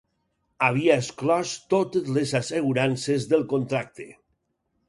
Havia exclòs totes les assegurances del contracte.